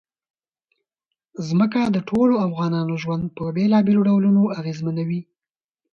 ځمکه د ټولو افغانانو ژوند په بېلابېلو ډولونو اغېزمنوي.